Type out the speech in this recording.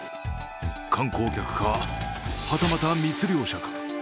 観光客か、はたまた密漁者か。